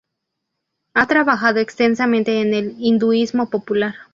Ha trabajado extensamente en el hinduismo popular.